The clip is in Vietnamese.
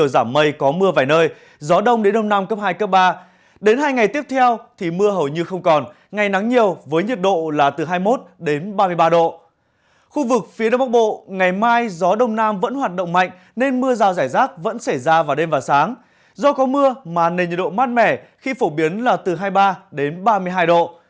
do có mưa mà nền nhiệt độ mát mẻ khi phổ biến là từ hai mươi ba đến ba mươi hai độ